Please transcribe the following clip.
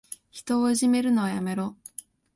人をいじめるのはやめろ。